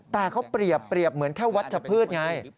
แต่เขาเปรียบเหมือนแค่วัชพืชไง